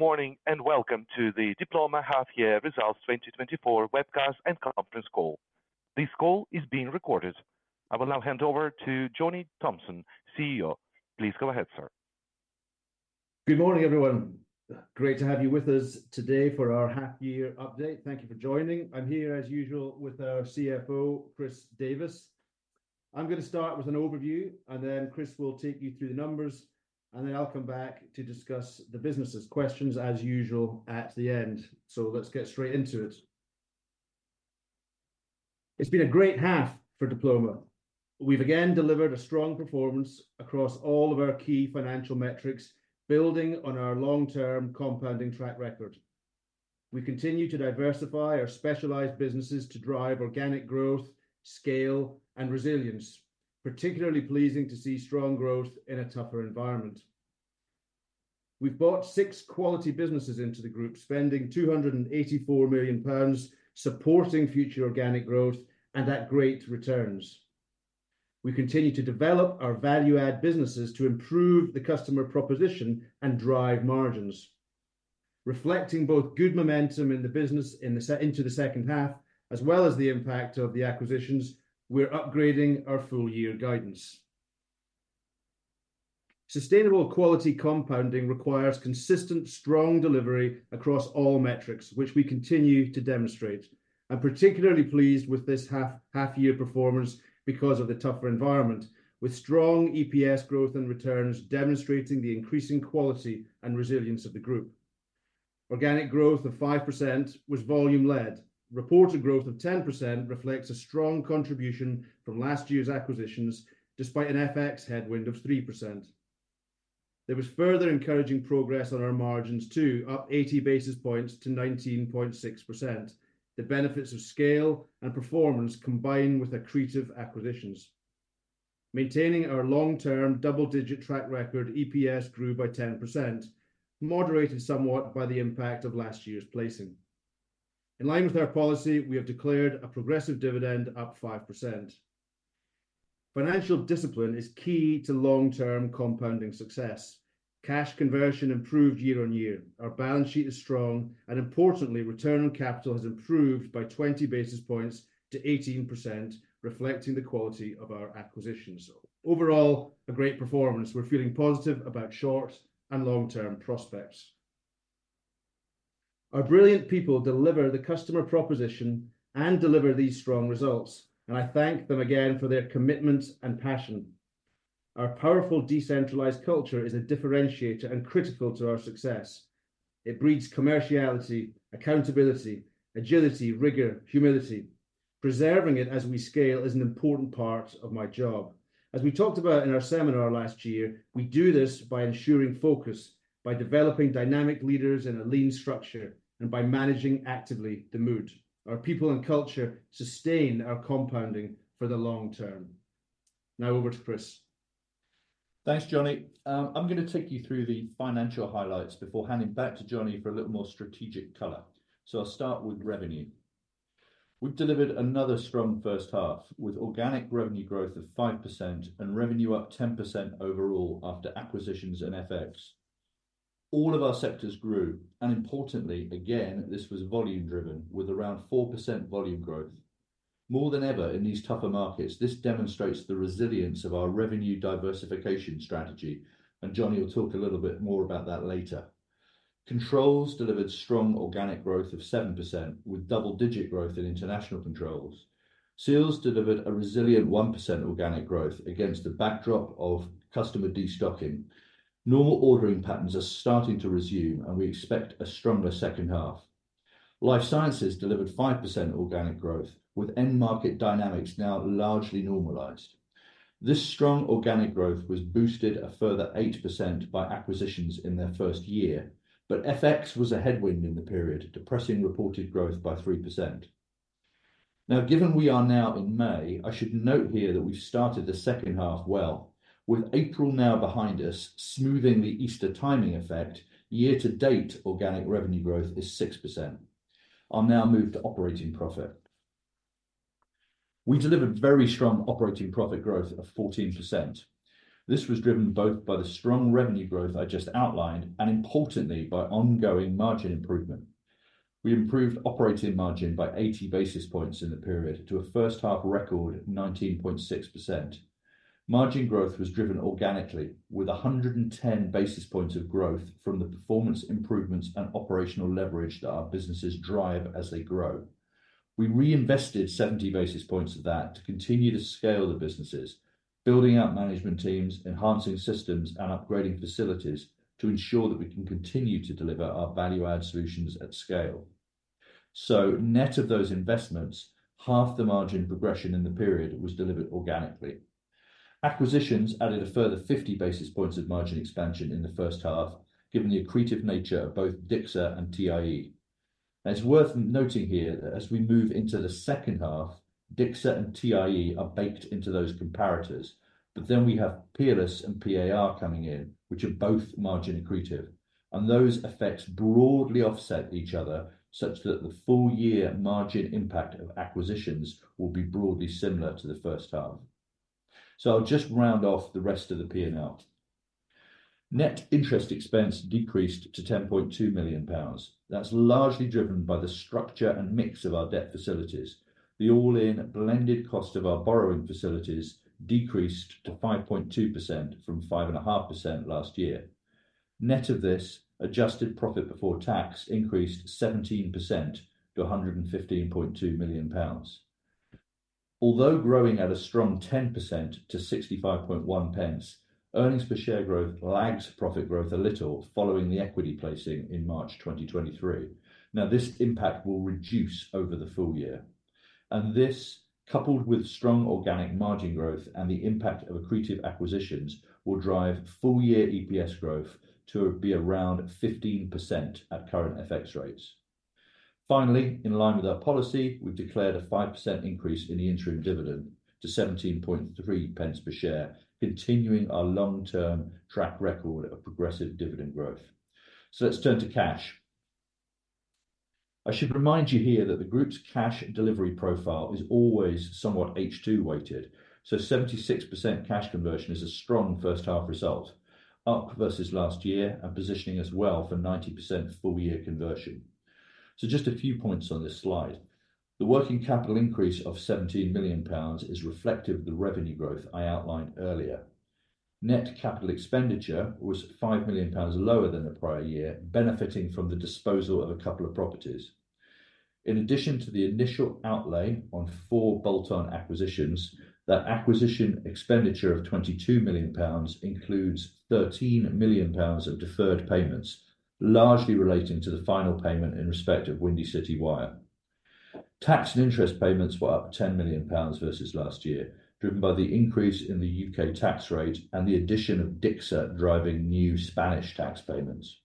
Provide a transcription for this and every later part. Good morning and welcome to the Diploma Half-Year Results 2024 webcast and conference call. This call is being recorded. I will now hand over to Johnny Thomson, CEO. Please go ahead, sir. Good morning, everyone. Great to have you with us today for our half-year update. Thank you for joining. I'm here, as usual, with our CFO, Chris Davies. I'm going to start with an overview, and then Chris will take you through the numbers, and then I'll come back to discuss the businesses' questions, as usual, at the end. So let's get straight into it. It's been a great half for Diploma. We've again delivered a strong performance across all of our key financial metrics, building on our long-term compounding track record. We continue to diversify our specialized businesses to drive organic growth, scale, and resilience, particularly pleasing to see strong growth in a tougher environment. We've brought 6 quality businesses into the group, spending 284 million pounds supporting future organic growth and at great returns. We continue to develop our value-add businesses to improve the customer proposition and drive margins. Reflecting both good momentum in the business into the second half, as well as the impact of the acquisitions, we're upgrading our full-year guidance. Sustainable quality compounding requires consistent, strong delivery across all metrics, which we continue to demonstrate. I'm particularly pleased with this half-year performance because of the tougher environment, with strong EPS growth and returns demonstrating the increasing quality and resilience of the group. Organic growth of 5% was volume-led. Reported growth of 10% reflects a strong contribution from last year's acquisitions, despite an FX headwind of 3%. There was further encouraging progress on our margins too, up 80 basis points to 19.6%. The benefits of scale and performance combine with accretive acquisitions. Maintaining our long-term double-digit track record, EPS grew by 10%, moderated somewhat by the impact of last year's placing. In line with our policy, we have declared a progressive dividend up 5%. Financial discipline is key to long-term compounding success. Cash conversion improved year-over-year. Our balance sheet is strong, and importantly, return on capital has improved by 20 basis points to 18%, reflecting the quality of our acquisitions. Overall, a great performance. We're feeling positive about short and long-term prospects. Our brilliant people deliver the customer proposition and deliver these strong results, and I thank them again for their commitment and passion. Our powerful decentralized culture is a differentiator and critical to our success. It breeds commerciality, accountability, agility, rigor, humility. Preserving it as we scale is an important part of my job. As we talked about in our seminar last year, we do this by ensuring focus, by developing dynamic leaders in a lean structure, and by managing actively the mood. Our people and culture sustain our compounding for the long term. Now over to Chris. Thanks, Johnny. I'm going to take you through the financial highlights before handing back to Johnny for a little more strategic color. So I'll start with revenue. We've delivered another strong first half with organic revenue growth of 5% and revenue up 10% overall after acquisitions and FX. All of our sectors grew, and importantly, again, this was volume-driven, with around 4% volume growth. More than ever in these tougher markets, this demonstrates the resilience of our revenue diversification strategy, and Johnny will talk a little bit more about that later. Controls delivered strong organic growth of 7% with double-digit growth in international Controls. Seals delivered a resilient 1% organic growth against the backdrop of customer destocking. Normal ordering patterns are starting to resume, and we expect a stronger second half. Life Sciences delivered 5% organic growth, with end-market dynamics now largely normalized. This strong organic growth was boosted a further 8% by acquisitions in their first year, but FX was a headwind in the period, depressing reported growth by 3%. Now, given we are now in May, I should note here that we've started the second half well, with April now behind us, smoothing the Easter timing effect. Year-to-date, organic revenue growth is 6%. I'll now move to operating profit. We delivered very strong operating profit growth of 14%. This was driven both by the strong revenue growth I just outlined and, importantly, by ongoing margin improvement. We improved operating margin by 80 basis points in the period to a first-half record 19.6%. Margin growth was driven organically, with 110 basis points of growth from the performance improvements and operational leverage that our businesses drive as they grow. We reinvested 70 basis points of that to continue to scale the businesses, building out management teams, enhancing systems, and upgrading facilities to ensure that we can continue to deliver our value-add solutions at scale. So, net of those investments, half the margin progression in the period was delivered organically. Acquisitions added a further 50 basis points of margin expansion in the first half, given the accretive nature of both DICSA and TIE. And it's worth noting here that as we move into the second half, DICSA and TIE are baked into those comparators, but then we have Peerless and PAR coming in, which are both margin accretive, and those effects broadly offset each other such that the full-year margin impact of acquisitions will be broadly similar to the first half. So I'll just round off the rest of the P&L. Net interest expense decreased to 10.2 million pounds. That's largely driven by the structure and mix of our debt facilities. The all-in blended cost of our borrowing facilities decreased to 5.2% from 5.5% last year. Net of this, adjusted profit before tax increased 17% to 115.2 million pounds. Although growing at a strong 10% to 0.651, earnings per share growth lags profit growth a little following the equity placing in March 2023. Now, this impact will reduce over the full year. And this, coupled with strong organic margin growth and the impact of accretive acquisitions, will drive full-year EPS growth to be around 15% at current FX rates. Finally, in line with our policy, we've declared a 5% increase in the interim dividend to 0.173 per share, continuing our long-term track record of progressive dividend growth. Let's turn to cash. I should remind you here that the group's cash delivery profile is always somewhat H2-weighted, so 76% cash conversion is a strong first-half result, up versus last year, and positioning as well for 90% full-year conversion. So just a few points on this slide. The working capital increase of GBP 17 million is reflective of the revenue growth I outlined earlier. Net capital expenditure was 5 million pounds lower than the prior year, benefiting from the disposal of a couple of properties. In addition to the initial outlay on four bolt-on acquisitions, that acquisition expenditure of 22 million pounds includes 13 million pounds of deferred payments, largely relating to the final payment in respect of Windy City Wire. Tax and interest payments were up 10 million pounds versus last year, driven by the increase in the U.K. tax rate and the addition of DICSA driving new Spanish tax payments.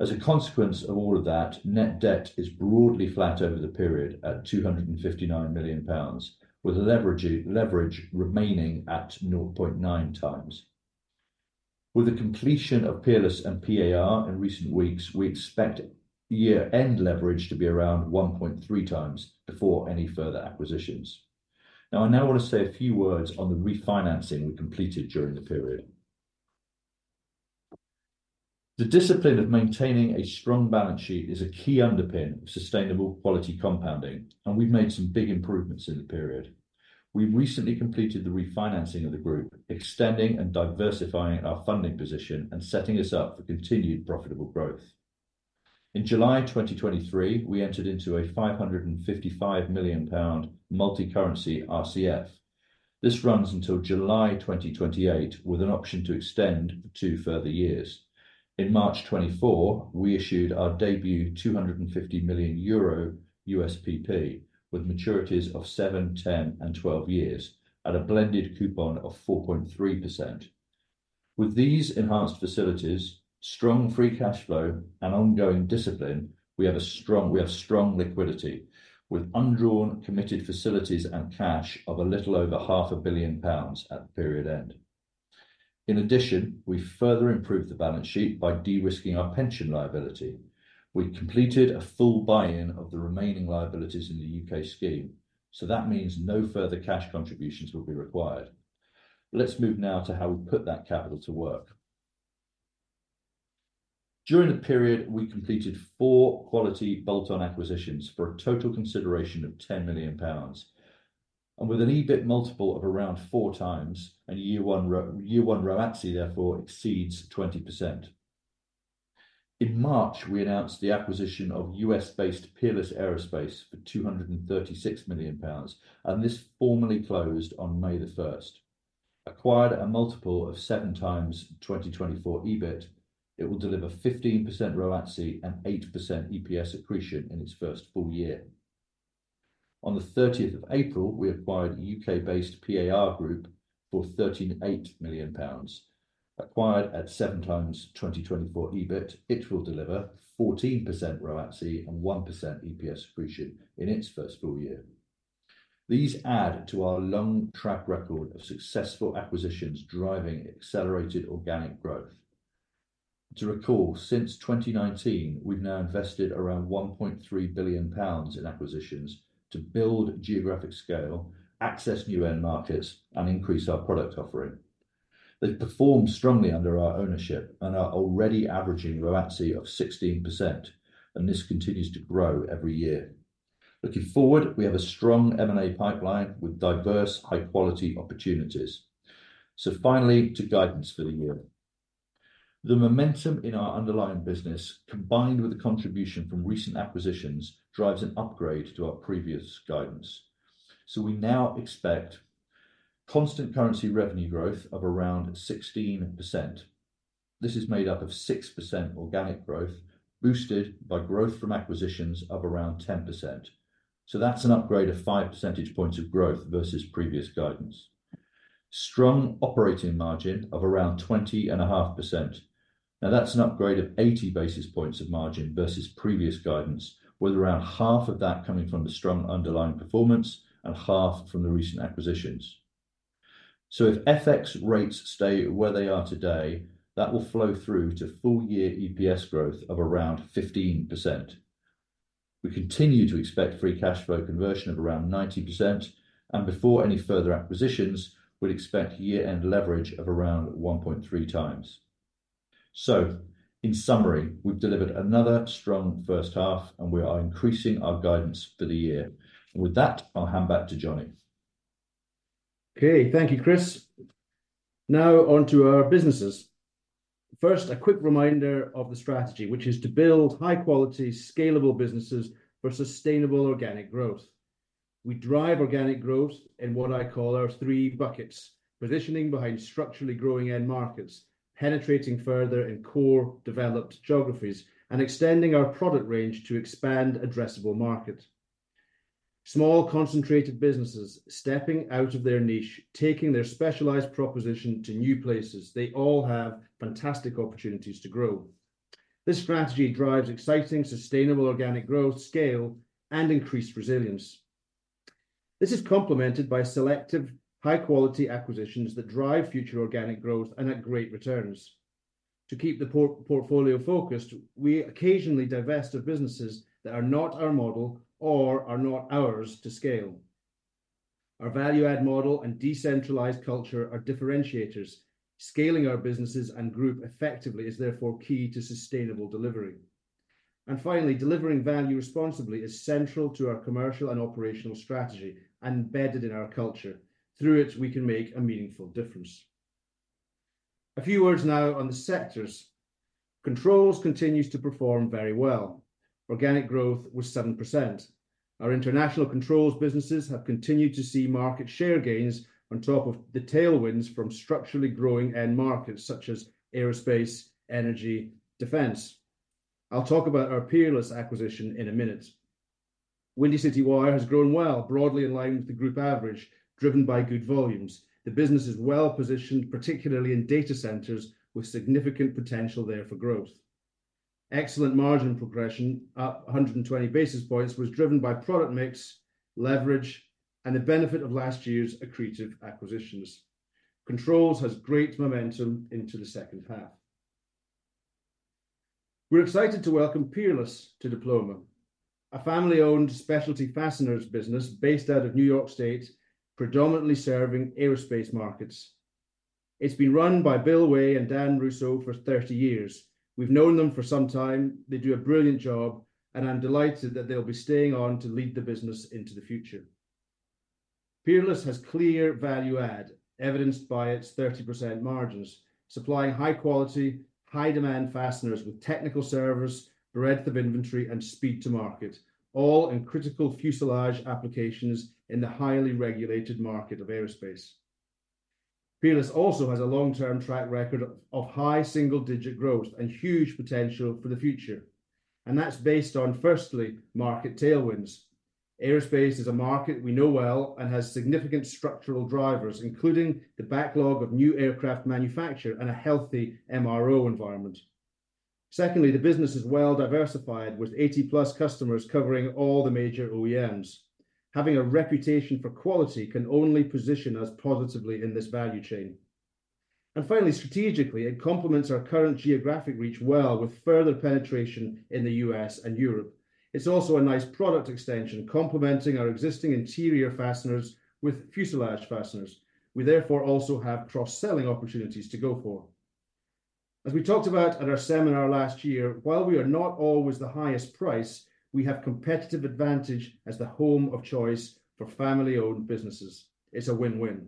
As a consequence of all of that, net debt is broadly flat over the period at 259 million pounds, with leverage remaining at 0.9 times. With the completion of Peerless and PAR in recent weeks, we expect year-end leverage to be around 1.3 times before any further acquisitions. Now, I want to say a few words on the refinancing we completed during the period. The discipline of maintaining a strong balance sheet is a key underpin of sustainable quality compounding, and we've made some big improvements in the period. We've recently completed the refinancing of the group, extending and diversifying our funding position and setting us up for continued profitable growth. In July 2023, we entered into a 555 million pound multicurrency RCF. This runs until July 2028 with an option to extend for two further years. In March 2024, we issued our debut 250 million euro USPP with maturities of 7, 10, and 12 years at a blended coupon of 4.3%. With these enhanced facilities, strong free cash flow, and ongoing discipline, we have strong liquidity with undrawn committed facilities and cash of a little over 500 million pounds at the period end. In addition, we further improved the balance sheet by de-risking our pension liability. We completed a full buy-in of the remaining liabilities in the UK scheme, so that means no further cash contributions will be required. Let's move now to how we put that capital to work. During the period, we completed 4 quality bolt-on acquisitions for a total consideration of 10 million pounds. With an EBIT multiple of around 4x, and year-one ROIC, therefore, exceeds 20%. In March, we announced the acquisition of U.S.-based Peerless Aerospace for 236 million pounds, and this formally closed on May 1st. Acquired a multiple of 7x 2024 EBIT, it will deliver 15% ROIC and 8% EPS accretion in its first full year. On the 30th of April, we acquired U.K.-based PAR Group for 138 million pounds. Acquired at 7x 2024 EBIT, it will deliver 14% ROIC and 1% EPS accretion in its first full year. These add to our long track record of successful acquisitions driving accelerated organic growth. To recall, since 2019, we've now invested around 1.3 billion pounds in acquisitions to build geographic scale, access new end markets, and increase our product offering. They perform strongly under our ownership and are already averaging ROIC of 16%, and this continues to grow every year. Looking forward, we have a strong M&A pipeline with diverse, high-quality opportunities. So finally, to guidance for the year. The momentum in our underlying business, combined with the contribution from recent acquisitions, drives an upgrade to our previous guidance. So we now expect constant currency revenue growth of around 16%. This is made up of 6% organic growth, boosted by growth from acquisitions of around 10%. So that's an upgrade of five percentage points of growth versus previous guidance. Strong operating margin of around 20.5%. Now, that's an upgrade of 80 basis points of margin versus previous guidance, with around half of that coming from the strong underlying performance and half from the recent acquisitions. So if FX rates stay where they are today, that will flow through to full-year EPS growth of around 15%. We continue to expect free cash flow conversion of around 90%, and before any further acquisitions, we'd expect year-end leverage of around 1.3x. In summary, we've delivered another strong first half, and we are increasing our guidance for the year. With that, I'll hand back to Johnny. Okay, thank you, Chris. Now onto our businesses. First, a quick reminder of the strategy, which is to build high-quality, scalable businesses for sustainable organic growth. We drive organic growth in what I call our three buckets: positioning behind structurally growing end markets, penetrating further in core developed geographies, and extending our product range to expand addressable markets. Small, concentrated businesses stepping out of their niche, taking their specialized proposition to new places, they all have fantastic opportunities to grow. This strategy drives exciting, sustainable organic growth, scale, and increased resilience. This is complemented by selective, high-quality acquisitions that drive future organic growth and at great returns. To keep the portfolio focused, we occasionally divest of businesses that are not our model or are not ours to scale. Our value-add model and decentralized culture are differentiators. Scaling our businesses and group effectively is therefore key to sustainable delivery. Finally, delivering value responsibly is central to our commercial and operational strategy, embedded in our culture. Through it, we can make a meaningful difference. A few words now on the sectors. Controls continues to perform very well. Organic growth was 7%. Our international Controls businesses have continued to see market share gains on top of the tailwinds from structurally growing end markets such as aerospace, energy, defense. I'll talk about our Peerless acquisition in a minute. Windy City Wire has grown well, broadly in line with the group average, driven by good volumes. The business is well positioned, particularly in data centers with significant potential there for growth. Excellent margin progression, up 120 basis points, was driven by product mix, leverage, and the benefit of last year's accretive acquisitions. Controls has great momentum into the second half. We're excited to welcome Peerless to Diploma, a family-owned specialty fasteners business based out of New York State, predominantly serving aerospace markets. It's been run by Bill Way and Dan Russo for 30 years. We've known them for some time. They do a brilliant job, and I'm delighted that they'll be staying on to lead the business into the future. Peerless has clear value add, evidenced by its 30% margins, supplying high-quality, high-demand fasteners with technical service, breadth of inventory, and speed to market, all in critical fuselage applications in the highly regulated market of aerospace. Peerless also has a long-term track record of high single-digit growth and huge potential for the future. That's based on, firstly, market tailwinds. Aerospace is a market we know well and has significant structural drivers, including the backlog of new aircraft manufacture and a healthy MRO environment. Secondly, the business is well diversified, with 80+ customers covering all the major OEMs. Having a reputation for quality can only position us positively in this value chain. Finally, strategically, it complements our current geographic reach well with further penetration in the U.S. and Europe. It's also a nice product extension, complementing our existing interior fasteners with fuselage fasteners. We therefore also have cross-selling opportunities to go for. As we talked about at our seminar last year, while we are not always the highest price, we have competitive advantage as the home of choice for family-owned businesses. It's a win-win.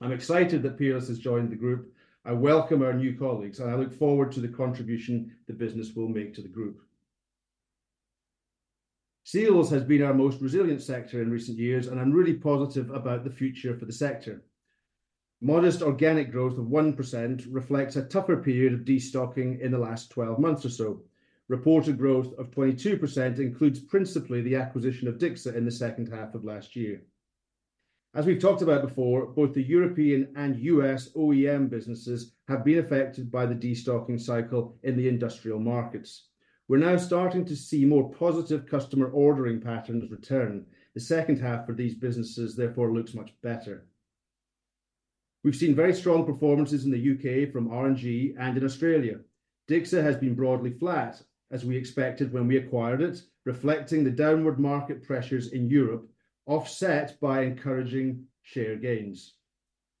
I'm excited that Peerless has joined the group. I welcome our new colleagues, and I look forward to the contribution the business will make to the group. Seals has been our most resilient sector in recent years, and I'm really positive about the future for the sector. Modest organic growth of 1% reflects a tougher period of destocking in the last 12 months or so. Reported growth of 22% includes principally the acquisition of DICSA in the second half of last year. As we've talked about before, both the European and U.S. OEM businesses have been affected by the destocking cycle in the industrial markets. We're now starting to see more positive customer ordering patterns return. The second half for these businesses, therefore, looks much better. We've seen very strong performances in the U.K. from R&G and in Australia. DICSA has been broadly flat, as we expected when we acquired it, reflecting the downward market pressures in Europe, offset by encouraging share gains.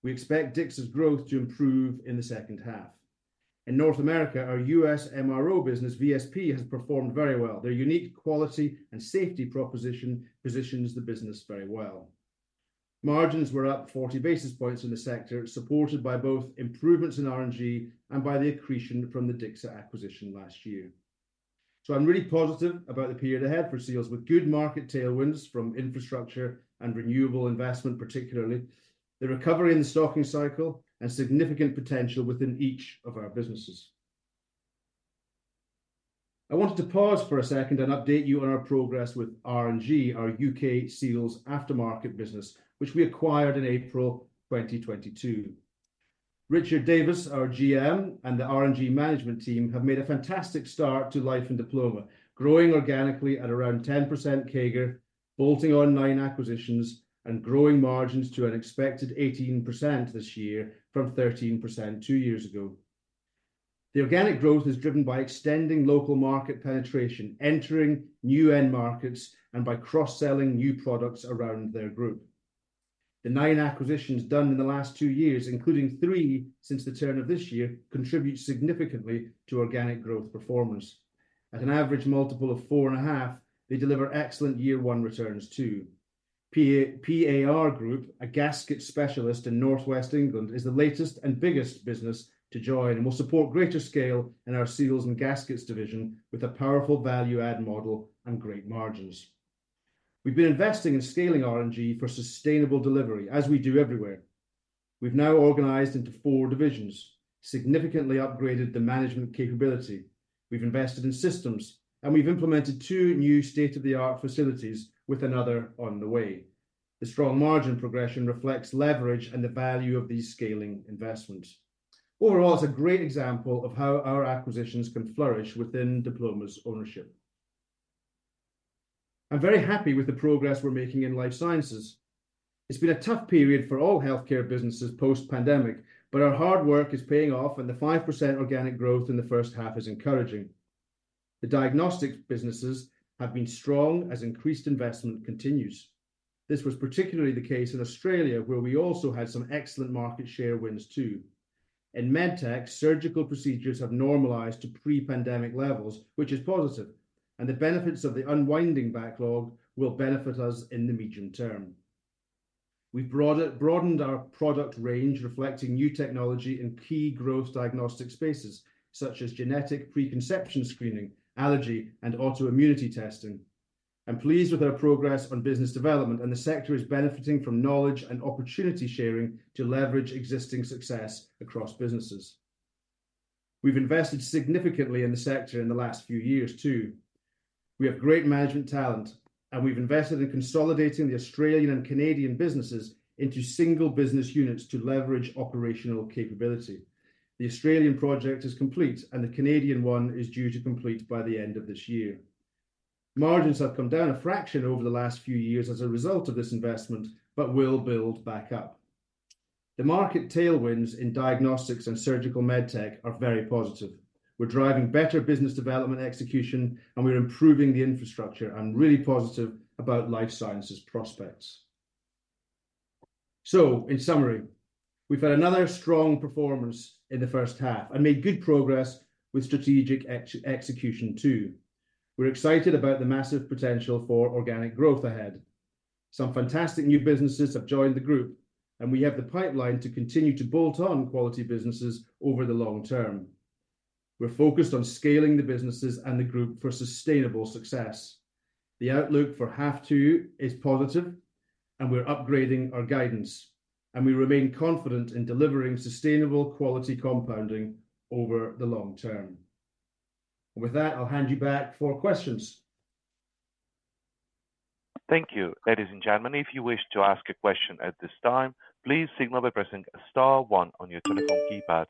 We expect DICSA's growth to improve in the second half. In North America, our U.S. MRO business, VSP, has performed very well. Their unique quality and safety proposition positions the business very well. Margins were up 40 basis points in the sector, supported by both improvements in R&G and by the accretion from the DICSA acquisition last year. So I'm really positive about the period ahead for Seals, with good market tailwinds from infrastructure and renewable investment, particularly the recovery in the stocking cycle and significant potential within each of our businesses. I wanted to pause for a second and update you on our progress with R&G, our UK Seals aftermarket business, which we acquired in April 2022. Richard Davies, our GM, and the R&G management team have made a fantastic start to life in Diploma, growing organically at around 10% CAGR, bolting on nine acquisitions, and growing margins to an expected 18% this year from 13% two years ago. The organic growth is driven by extending local market penetration, entering new end markets, and by cross-selling new products around their group. The 9 acquisitions done in the last 2 years, including 3 since the turn of this year, contribute significantly to organic growth performance. At an average multiple of 4.5, they deliver excellent year-1 returns too. PAR Group, a gasket specialist in northwest England, is the latest and biggest business to join and will support greater scale in our Seals and gaskets division with a powerful value-add model and great margins. We've been investing in scaling R&G for sustainable delivery, as we do everywhere. We've now organized into 4 divisions, significantly upgraded the management capability. We've invested in systems, and we've implemented 2 new state-of-the-art facilities with another on the way. The strong margin progression reflects leverage and the value of these scaling investments. Overall, it's a great example of how our acquisitions can flourish within Diploma's ownership. I'm very happy with the progress we're making in Life Sciences. It's been a tough period for all healthcare businesses post-pandemic, but our hard work is paying off, and the 5% organic growth in the first half is encouraging. The diagnostics businesses have been strong as increased investment continues. This was particularly the case in Australia, where we also had some excellent market share wins too. In medtech, surgical procedures have normalized to pre-pandemic levels, which is positive, and the benefits of the unwinding backlog will benefit us in the medium term. We've broadened our product range, reflecting new technology in key growth diagnostic spaces such as genetic preconception screening, allergy, and autoimmunity testing. I'm pleased with our progress on business development, and the sector is benefiting from knowledge and opportunity sharing to leverage existing success across businesses. We've invested significantly in the sector in the last few years too. We have great management talent, and we've invested in consolidating the Australian and Canadian businesses into single business units to leverage operational capability. The Australian project is complete, and the Canadian one is due to complete by the end of this year. Margins have come down a fraction over the last few years as a result of this investment, but will build back up. The market tailwinds in diagnostics and surgical medtech are very positive. We're driving better business development execution, and we're improving the infrastructure. I'm really positive about life sciences prospects. So in summary, we've had another strong performance in the first half and made good progress with strategic execution too. We're excited about the massive potential for organic growth ahead. Some fantastic new businesses have joined the group, and we have the pipeline to continue to bolt on quality businesses over the long term. We're focused on scaling the businesses and the group for sustainable success. The outlook for half two is positive, and we're upgrading our guidance, and we remain confident in delivering sustainable quality compounding over the long term. With that, I'll hand you back for questions. Thank you, ladies and gentlemen. If you wish to ask a question at this time, please signal by pressing star one on your telephone keypad.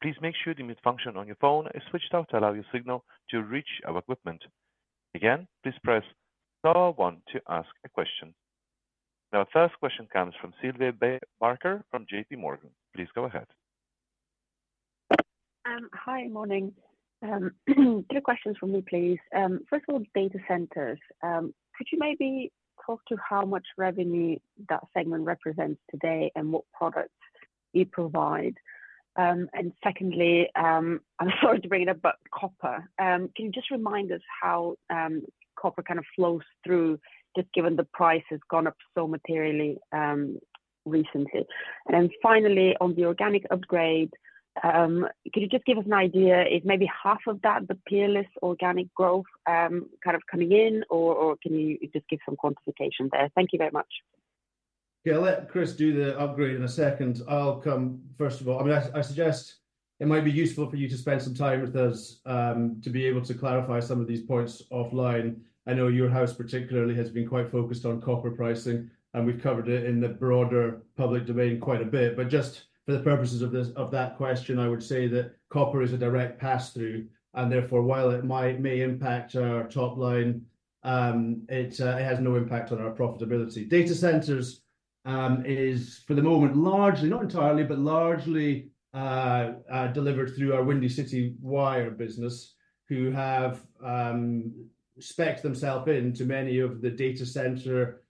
Please make sure the mute function on your phone is switched off to allow your signal to reach our equipment. Again, please press star one to ask a question. Now, our first question comes from Sylvia Barker from J.P. Morgan. Please go ahead. Hi, morning. Two questions from me, please. First of all, data centers. Could you maybe talk to how much revenue that segment represents today and what products you provide? And secondly, I'm sorry to bring it up, but copper. Can you just remind us how copper kind of flows through, just given the price has gone up so materially recently? And then finally, on the organic upgrade, could you just give us an idea? Is maybe half of that the Peerless organic growth kind of coming in, or can you just give some quantification there? Thank you very much. Yeah, I'll let Chris do the upgrade in a second. I'll come first of all. I mean, I suggest it might be useful for you to spend some time with us to be able to clarify some of these points offline. I know your house particularly has been quite focused on copper pricing, and we've covered it in the broader public domain quite a bit. But just for the purposes of that question, I would say that copper is a direct pass-through, and therefore, while it may impact our top line, it has no impact on our profitability. Data centers is, for the moment, largely not entirely, but largely delivered through our Windy City Wire business, who have specced themselves into many of the data center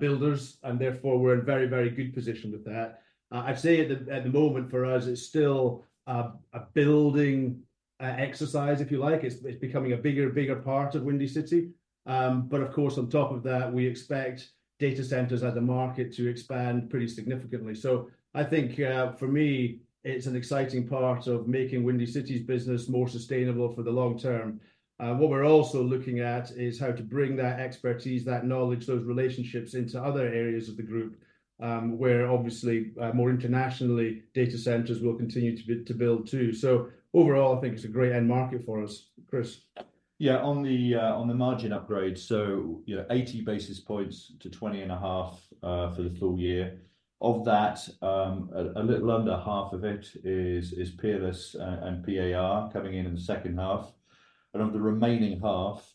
builders, and therefore, we're in very, very good position with that. I'd say at the moment for us, it's still a building exercise, if you like. It's becoming a bigger, bigger part of Windy City. But of course, on top of that, we expect data centers at the market to expand pretty significantly. So I think for me, it's an exciting part of making Windy City's business more sustainable for the long term. What we're also looking at is how to bring that expertise, that knowledge, those relationships into other areas of the group, where obviously more internationally data centers will continue to build too. So overall, I think it's a great end market for us. Chris? Yeah, on the margin upgrade, so 80 basis points to 20.5% for the full year. Of that, a little under half of it is Peerless and PAR coming in in the second half. And of the remaining half,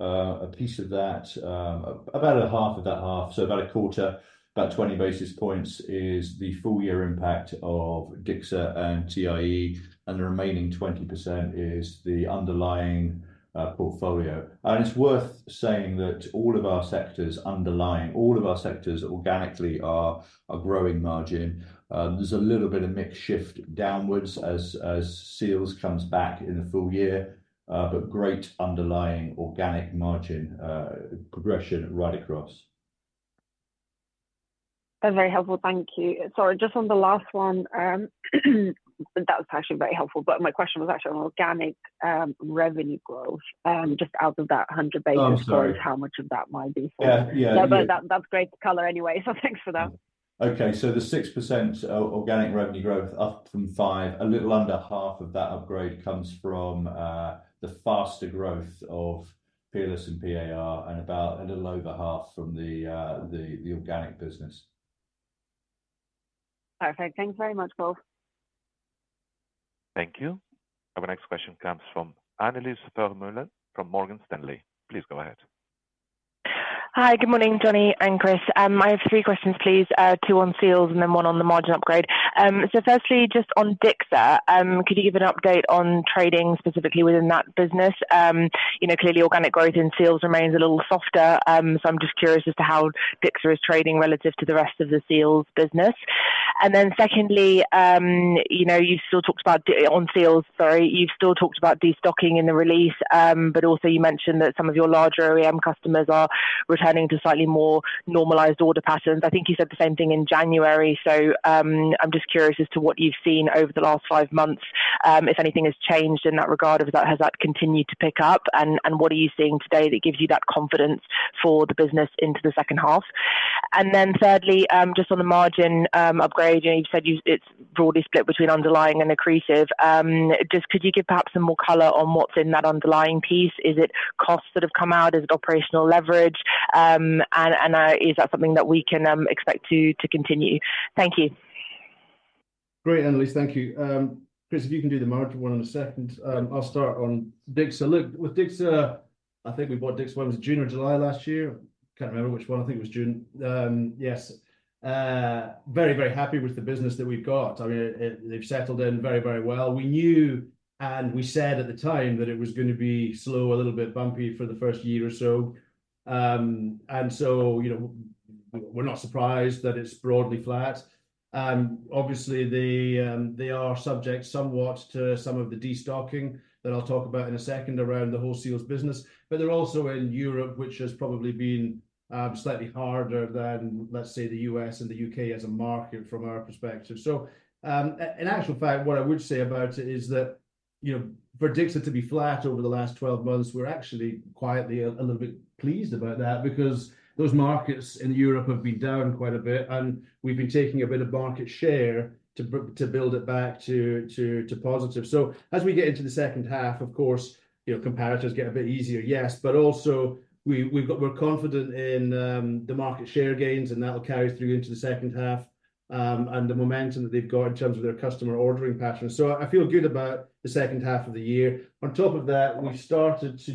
a piece of that, about half of that half, so about a quarter, about 20 basis points, is the full year impact of DICSA and TIE, and the remaining 20% is the underlying portfolio. And it's worth saying that all of our sectors underlying, all of our sectors organically are growing margin. There's a little bit of mix shift downwards as Seals comes back in the full year, but great underlying organic margin progression right across. That's very helpful. Thank you. Sorry, just on the last one, that was actually very helpful, but my question was actually on organic revenue growth, just out of that 100 basis points, how much of that might be for? Yeah, yeah, yeah. No, but that's great color anyway, so thanks for that. Okay, so the 6% organic revenue growth up from 5%, a little under half of that upgrade comes from the faster growth of Peerless and PAR, and about a little over half from the organic business. Perfect. Thanks very much, Paul. Thank you. Our next question comes from Anneliese Vermeulen from Morgan Stanley. Please go ahead. Hi, good morning, Johnny and Chris. I have three questions, please, two on Seals and then one on the margin upgrade. So firstly, just on DICSA, could you give an update on trading specifically within that business? Clearly, organic growth in Seals remains a little softer, so I'm just curious as to how DICSA is trading relative to the rest of the Seals business. And then secondly, you've still talked about on Seals, sorry, you've still talked about destocking in the release, but also you mentioned that some of your larger OEM customers are returning to slightly more normalized order patterns. I think you said the same thing in January, so I'm just curious as to what you've seen over the last five months, if anything has changed in that regard, or has that continued to pick up, and what are you seeing today that gives you that confidence for the business into the second half? And then thirdly, just on the margin upgrade, you've said it's broadly split between underlying and accretive. Just could you give perhaps some more color on what's in that underlying piece? Is it costs that have come out? Is it operational leverage? And is that something that we can expect to continue? Thank you. Great, Anneliese. Thank you. Chris, if you can do the margin one in a second. I'll start on DICSA. Look, with DICSA, I think we bought DICSA when it was June or July last year. Can't remember which one. I think it was June. Yes. Very, very happy with the business that we've got. I mean, they've settled in very, very well. We knew and we said at the time that it was going to be slow, a little bit bumpy for the first year or so. And so we're not surprised that it's broadly flat. Obviously, they are subject somewhat to some of the destocking that I'll talk about in a second around the whole Seals business. But they're also in Europe, which has probably been slightly harder than, let's say, the US and the UK as a market from our perspective. So in actual fact, what I would say about it is that for DICSA to be flat over the last 12 months, we're actually quietly a little bit pleased about that because those markets in Europe have been down quite a bit, and we've been taking a bit of market share to build it back to positive. So as we get into the second half, of course, comparators get a bit easier, yes, but also we're confident in the market share gains, and that'll carry through into the second half and the momentum that they've got in terms of their customer ordering patterns. So I feel good about the second half of the year. On top of that, we've started to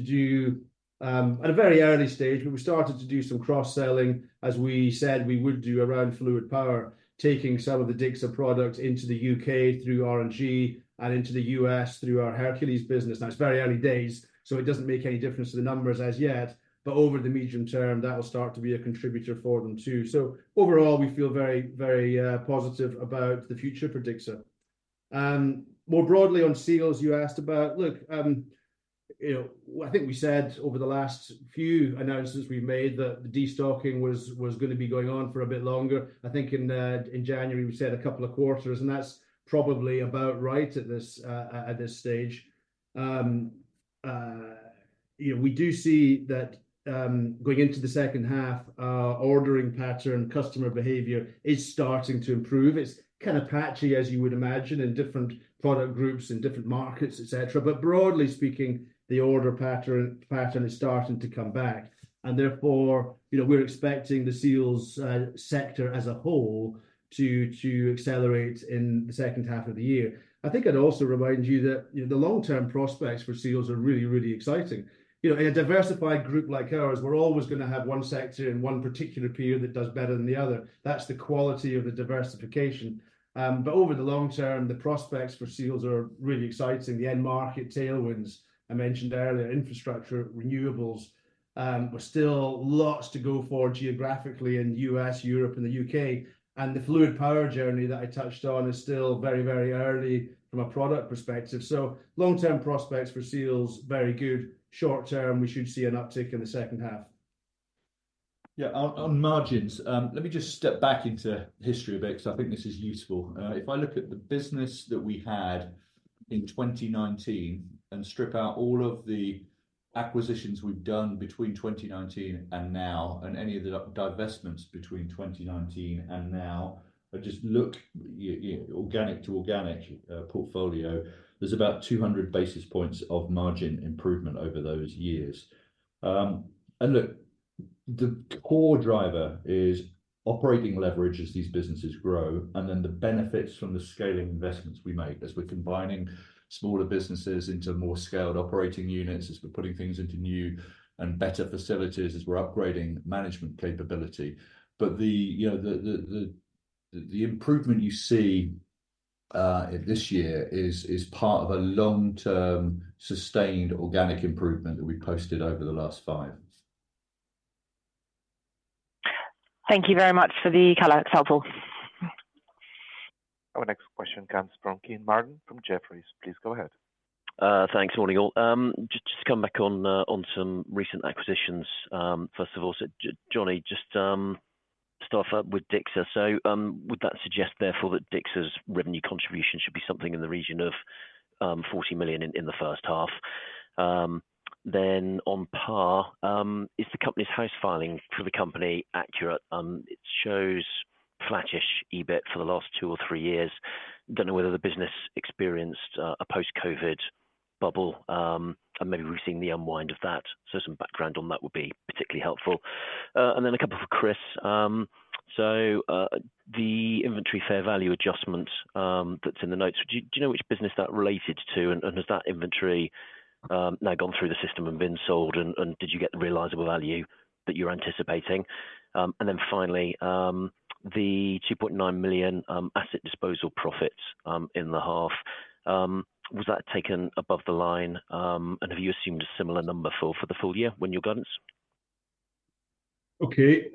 do at a very early stage, but we started to do some cross-selling as we said we would do around Fluid Power, taking some of the DICSA products into the UK through R&G and into the US through our Hercules business. Now, it's very early days, so it doesn't make any difference to the numbers as yet, but over the medium term, that will start to be a contributor for them too. So overall, we feel very, very positive about the future for DICSA. More broadly on Seals, you asked about, look, I think we said over the last few announcements we've made that the destocking was going to be going on for a bit longer. I think in January, we said a couple of quarters, and that's probably about right at this stage. We do see that going into the second half, our ordering pattern, customer behavior is starting to improve. It's kind of patchy, as you would imagine, in different product groups, in different markets, etc. But broadly speaking, the order pattern is starting to come back. And therefore, we're expecting the Seals sector as a whole to accelerate in the second half of the year. I think I'd also remind you that the long-term prospects for Seals are really, really exciting. In a diversified group like ours, we're always going to have one sector in one particular period that does better than the other. That's the quality of the diversification. But over the long term, the prospects for Seals are really exciting. The end market tailwinds I mentioned earlier, infrastructure, renewables, but still lots to go for geographically in the U.S., Europe, and the U.K. The Fluid Power journey that I touched on is still very, very early from a product perspective. Long-term prospects for Seals, very good. Short-term, we should see an uptick in the second half. Yeah, on margins, let me just step back into history a bit because I think this is useful. If I look at the business that we had in 2019 and strip out all of the acquisitions we've done between 2019 and now, and any of the divestments between 2019 and now, and just look organic to organic portfolio, there's about 200 basis points of margin improvement over those years. And look, the core driver is operating leverage as these businesses grow, and then the benefits from the scaling investments we made as we're combining smaller businesses into more scaled operating units, as we're putting things into new and better facilities, as we're upgrading management capability. But the improvement you see this year is part of a long-term sustained organic improvement that we've posted over the last five. Thank you very much for the color. It's helpful. Our next question, Kean Marden from Jefferies. Please go ahead. Thanks. Morning, all. Just to come back on some recent acquisitions. First of all, Johnny, just to start off with DICSA. So would that suggest therefore that DICSA's revenue contribution should be something in the region of 40 million in the first half? Then, Companies House filing for the company accurate? It shows flattish EBIT for the last two or three years. Don't know whether the business experienced a post-COVID bubble, and maybe we've seen the unwind of that. So some background on that would be particularly helpful. And then a couple for Chris. So the inventory fair value adjustment that's in the notes, do you know which business that related to? And has that inventory now gone through the system and been sold, and did you get the realizable value that you're anticipating? And then finally, the 2.9 million asset disposal profits in the half, was that taken above the line, and have you assumed a similar number for the full year when your guidance? Okay.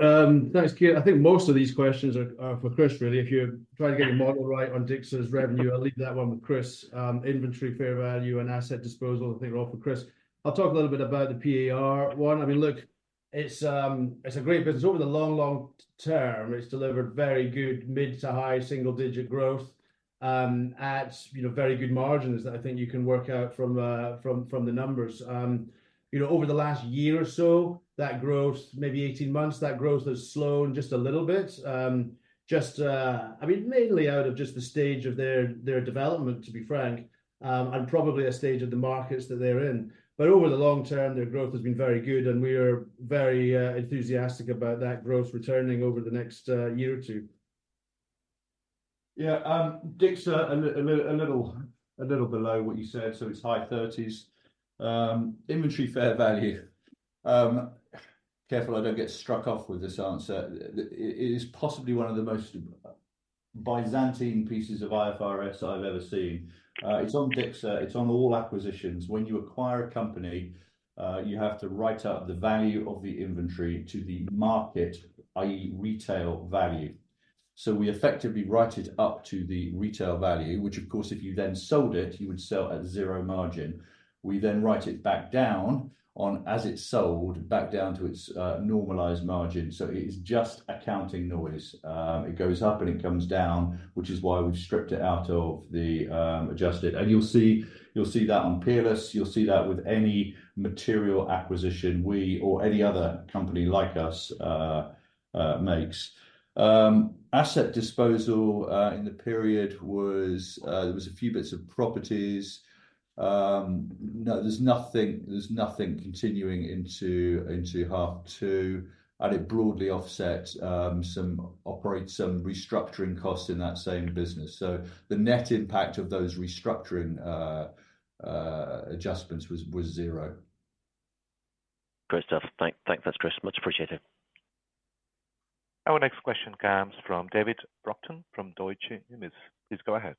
Thanks, Kean. I think most of these questions are for Chris, really. If you're trying to get a model right on DICSA's revenue, I'll leave that one with Chris. Inventory fair value and asset disposal, I think, are all for Chris. I'll talk a little bit about the PAR one. I mean, look, it's a great business. Over the long, long term, it's delivered very good mid to high single-digit growth at very good margins that I think you can work out from the numbers. Over the last year or so, that growth, maybe 18 months, that growth has slowed just a little bit. I mean, mainly out of just the stage of their development, to be frank, and probably a stage of the markets that they're in. But over the long term, their growth has been very good, and we are very enthusiastic about that growth returning over the next year or two. Yeah. DICSA, a little below what you said, so it's high 30s. Inventory fair value, careful I don't get struck off with this answer. It is possibly one of the most byzantine pieces of IFRS I've ever seen. It's on DICSA. It's on all acquisitions. When you acquire a company, you have to write up the value of the inventory to the market, i.e., retail value. So we effectively write it up to the retail value, which, of course, if you then sold it, you would sell at zero margin. We then write it back down as it's sold, back down to its normalized margin. So it is just accounting noise. It goes up and it comes down, which is why we've stripped it out of the adjusted. And you'll see that on Peerless. You'll see that with any material acquisition we or any other company like us makes. Asset disposal in the period was, there was a few bits of properties. No, there's nothing continuing into half two, and it broadly offsets some restructuring costs in that same business. So the net impact of those restructuring adjustments was zero. Great stuff. Thanks. Thanks, Chris. Much appreciated. Our next question comes from David Brockton from Deutsche Numis. Please go ahead.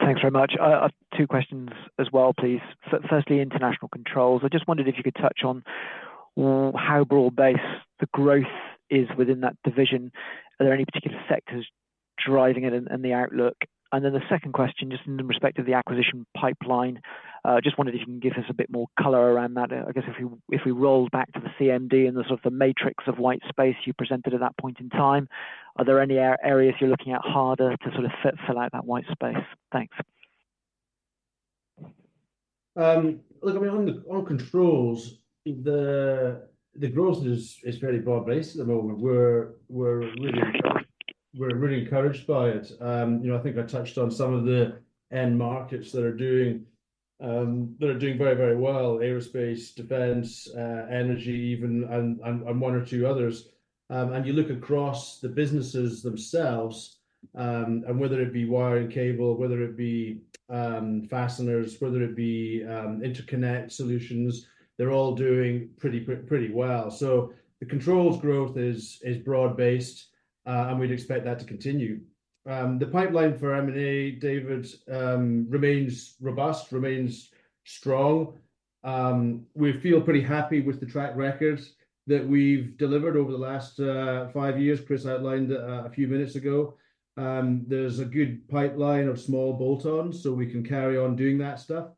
Thanks very much. I have two questions as well, please. Firstly, international Controls. I just wondered if you could touch on how broad-based the growth is within that division. Are there any particular sectors driving it and the outlook? And then the second question, just in respect of the acquisition pipeline, just wondered if you can give us a bit more color around that. I guess if we rolled back to the CMD and the sort of the matrix of white space you presented at that point in time, are there any areas you're looking at harder to sort of fill out that white space? Thanks. Look, I mean, on Controls, the growth is fairly broad-based at the moment. We're really encouraged by it. I think I touched on some of the end markets that are doing very, very well: aerospace, defense, energy, even, and one or two others. And you look across the businesses themselves, and whether it be wire and cable, whether it be fasteners, whether it be interconnect solutions, they're all doing pretty well. So the Controls growth is broad-based, and we'd expect that to continue. The pipeline for M&A, David, remains robust, remains strong. We feel pretty happy with the track record that we've delivered over the last five years, Chris outlined a few minutes ago. There's a good pipeline of small bolt-ons so we can carry on doing that stuff.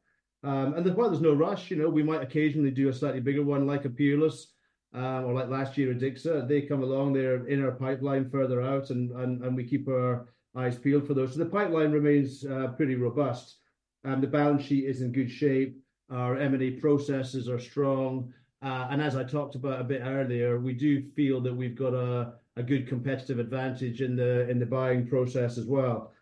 While there's no rush, we might occasionally do a slightly bigger one like a Peerless or like last year at DICSA. They come along, they're in our pipeline further out, and we keep our eyes peeled for those. So the pipeline remains pretty robust. The balance sheet is in good shape. Our M&A processes are strong. And as I talked about a bit earlier, we do feel that we've got a good competitive advantage in the buying process as well.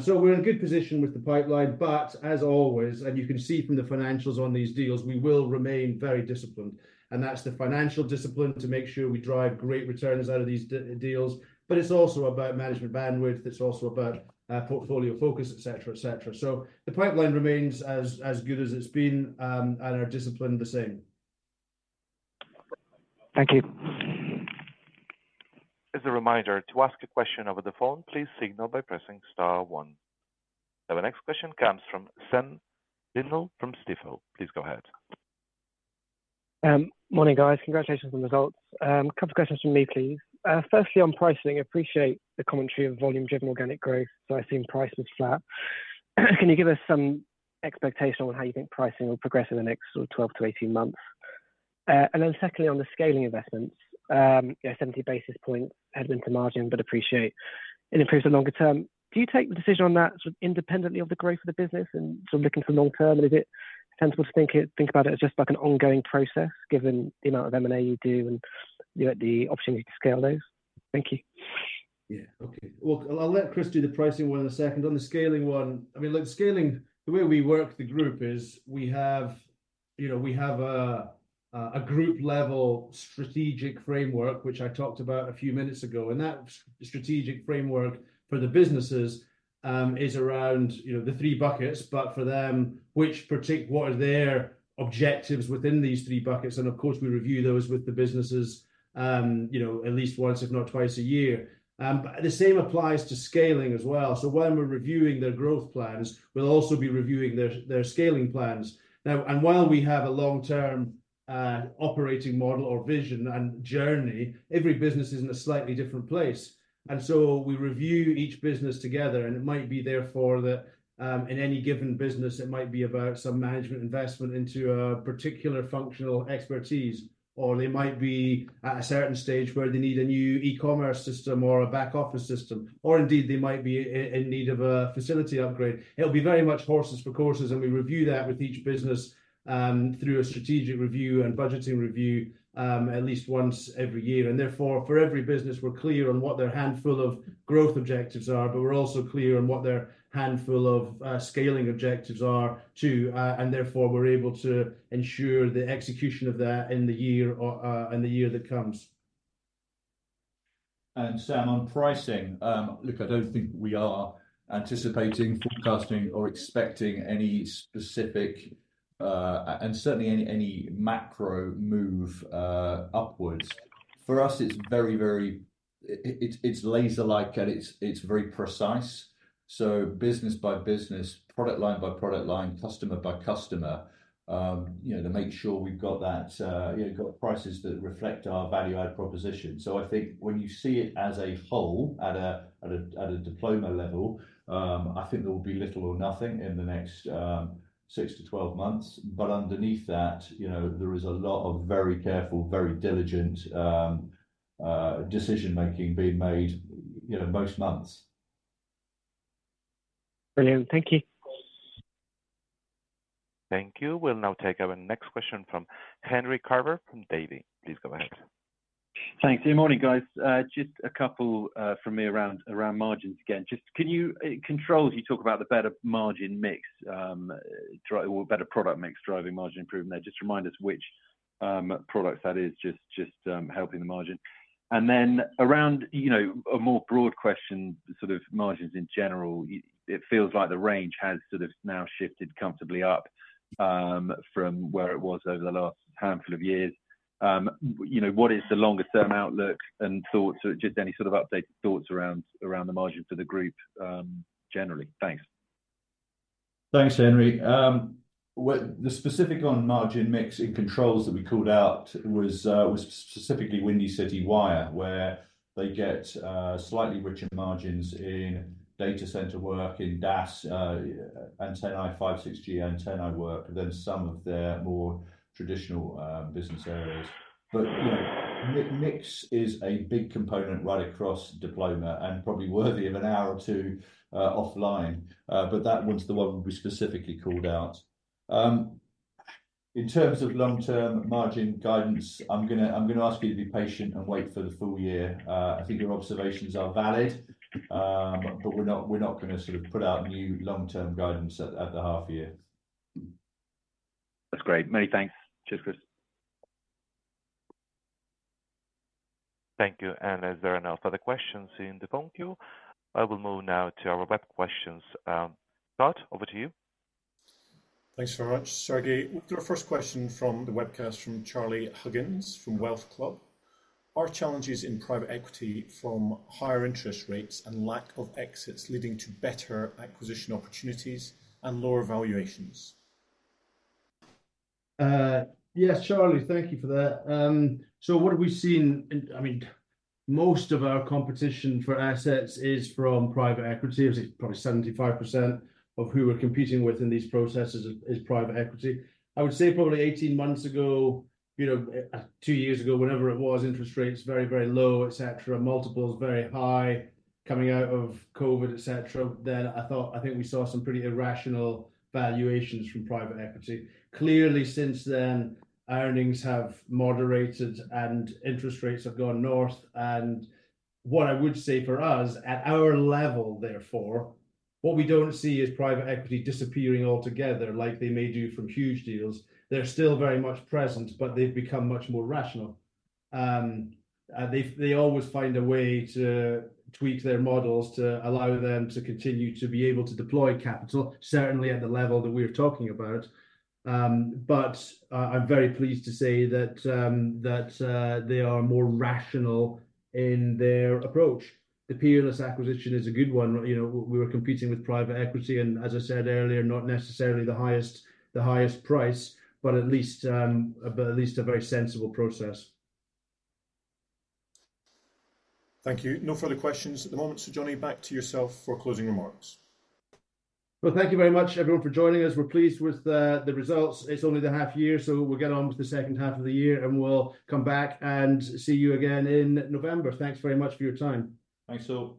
So we're in good position with the pipeline. But as always, and you can see from the financials on these deals, we will remain very disciplined. And that's the financial discipline to make sure we drive great returns out of these deals. But it's also about management bandwidth. It's also about portfolio focus, etc., etc. So the pipeline remains as good as it's been and our discipline the same. Thank you. As a reminder, to ask a question over the phone, please signal by pressing star one. Now, the next question comes from Sam Dindol from Stifel. Please go ahead. Morning, guys. Congratulations on the results. A couple of questions from me, please. Firstly, on pricing, I appreciate the commentary on volume-driven organic growth. So I've seen prices flat. Can you give us some expectation on how you think pricing will progress in the next sort of 12 to 18 months? And then secondly, on the scaling investments, 70 basis points headwind to margin, but appreciate it improves the longer term. Do you take the decision on that sort of independently of the growth of the business and sort of looking for long-term? And is it sensible to think about it as just like an ongoing process given the amount of M&A you do and the opportunity to scale those? Thank you. Yeah. Okay. Well, I'll let Chris do the pricing one in a second. On the scaling one, I mean, look, the way we work the group is we have a group-level strategic framework, which I talked about a few minutes ago. That strategic framework for the businesses is around the three buckets, but for them, what are their objectives within these three buckets? Of course, we review those with the businesses at least once, if not twice a year. The same applies to scaling as well. So when we're reviewing their growth plans, we'll also be reviewing their scaling plans. Now, while we have a long-term operating model or vision and journey, every business is in a slightly different place. So we review each business together. And it might be, therefore, that in any given business, it might be about some management investment into a particular functional expertise, or they might be at a certain stage where they need a new e-commerce system or a back-office system, or indeed, they might be in need of a facility upgrade. It'll be very much horses for courses. And we review that with each business through a strategic review and budgeting review at least once every year. And therefore, for every business, we're clear on what their handful of growth objectives are, but we're also clear on what their handful of scaling objectives are too. And therefore, we're able to ensure the execution of that in the year that comes. And Sam, on pricing, look, I don't think we are anticipating, forecasting, or expecting any specific and certainly any macro move upwards. For us, it's laser-like, and it's very precise. So business by business, product line by product line, customer by customer, to make sure we've got that got prices that reflect our value-added proposition. So I think when you see it as a whole at a Diploma level, I think there will be little or nothing in the next 6-12 months. But underneath that, there is a lot of very careful, very diligent decision-making being made most months. Brilliant. Thank you. Thank you. We'll now take our next question from Henry Carver from Davy. Please go ahead. Thanks. Good morning, guys. Just a couple from me around margins again. In Controls, you talk about the better margin mix or better product mix driving margin improvement there. Just remind us which products that is, just helping the margin. And then around a more broad question, sort of margins in general, it feels like the range has sort of now shifted comfortably up from where it was over the last handful of years. What is the longer-term outlook and thoughts? Just any sort of updated thoughts around the margin for the group generally? Thanks. Thanks, Henry. The specific on margin mix in Controls that we called out was specifically Windy City Wire, where they get slightly richer margins in data center work, in DAS, antennae, 5G antennae work, then some of their more traditional business areas. But mix is a big component right across Diploma and probably worthy of an hour or two offline. But that was the one we specifically called out. In terms of long-term margin guidance, I'm going to ask you to be patient and wait for the full year. I think your observations are valid, but we're not going to sort of put out new long-term guidance at the half year. That's great. Many thanks. Cheers, Chris. Thank you. As there are no further questions in the phone queue, I will move now to our web questions. Todd, over to you. Thanks very much, Sergey. The first question from the webcast from Charlie Huggins from Wealth Club. Are challenges in private equity from higher interest rates and lack of exits leading to better acquisition opportunities and lower valuations? Yes, Charlie. Thank you for that. So what have we seen? I mean, most of our competition for assets is from private equity. I would say probably 75% of who we're competing with in these processes is private equity. I would say probably 18 months ago, 2 years ago, whenever it was, interest rates very, very low, etc., multiples very high coming out of COVID, etc., then I think we saw some pretty irrational valuations from private equity. Clearly, since then, earnings have moderated, and interest rates have gone north. And what I would say for us, at our level, therefore, what we don't see is private equity disappearing altogether like they may do from huge deals. They're still very much present, but they've become much more rational. They always find a way to tweak their models to allow them to continue to be able to deploy capital, certainly at the level that we are talking about. But I'm very pleased to say that they are more rational in their approach. The peerless acquisition is a good one. We were competing with private equity and, as I said earlier, not necessarily the highest price, but at least a very sensible process. Thank you. No further questions at the moment. Johnny, back to yourself for closing remarks. Well, thank you very much, everyone, for joining us. We're pleased with the results. It's only the half year, so we'll get on with the second half of the year, and we'll come back and see you again in November. Thanks very much for your time. Thanks. So.